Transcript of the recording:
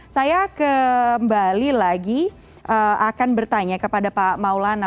saya kembali lagi akan bertanya kepada pak maulana